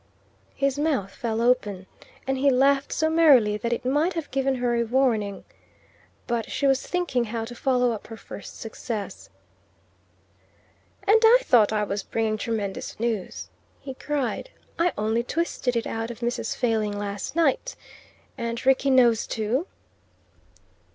His mouth fell open, and he laughed so merrily that it might have given her a warning. But she was thinking how to follow up her first success. "And I thought I was bringing tremendous news!" he cried. "I only twisted it out of Mrs. Failing last night. And Rickie knows too?"